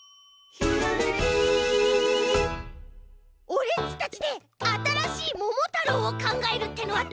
オレっちたちであたらしい「ももたろう」をかんがえるってのはどう？